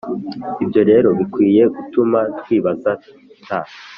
ibyo rero bikwiye gutuma twibaza t